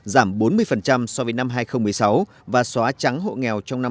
giảm bốn mươi so với năm hai nghìn một mươi sáu và xóa trắng hộ nghèo trong năm hai nghìn một mươi tám